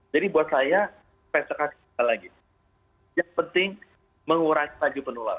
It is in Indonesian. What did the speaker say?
jadi buat saya pesek lagi yang penting mengurangi laju penularan